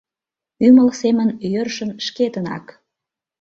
Ӱмыл семын йӧршын шкетынак